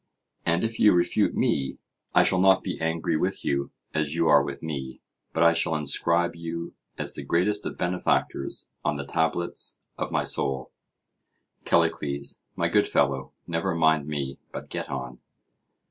And if you refute me, I shall not be angry with you as you are with me, but I shall inscribe you as the greatest of benefactors on the tablets of my soul. CALLICLES: My good fellow, never mind me, but get on.